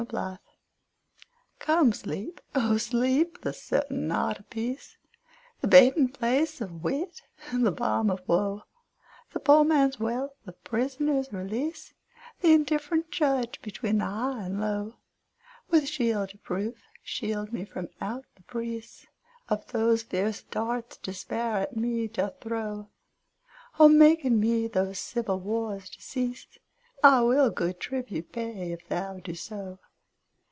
To Sleep COME, Sleep; O Sleep! the certain knot of peace, The baiting place of wit, the balm of woe, The poor man's wealth, the prisoner's release, Th' indifferent judge between the high and low; With shield of proof, shield me from out the preaseOf those fierce darts Despair at me doth throw:O make in me those civil wars to cease;I will good tribute pay, if thou do so.